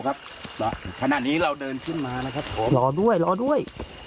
ครับขนาดนี้เราเดินขึ้นมานะครับผมรอด้วยรอด้วย